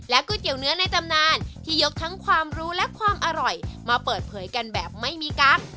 ก๋วยเตี๋ยวเนื้อในตำนานที่ยกทั้งความรู้และความอร่อยมาเปิดเผยกันแบบไม่มีกั๊ก